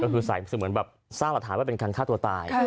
ซึ่งเหมือนสร้างรัฐาว่าเป็นการฆ่าตัวตาย